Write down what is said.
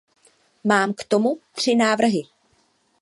Mám k tomu tři návrhy.